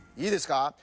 いいですか？